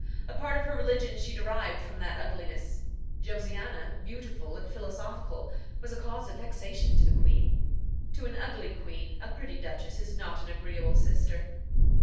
A part of her religion she derived from that ugliness. Josiana, beautiful and philosophical, was a cause of vexation to the queen. To an ugly queen, a pretty duchess is not an agreeable sister.